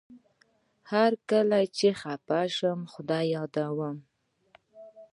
هر کله چي خپه شم خدای يادوم